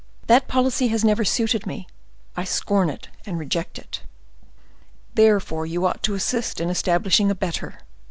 That policy has never suited me,—I scorn it and reject it." "Therefore you ought to assist in establishing a better."